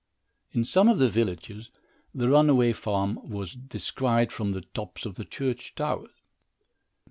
In some of the villages, the runaway farm was descried from the tops of the church towers.